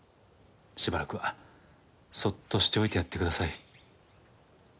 しばらくはそっとしておいてやってください。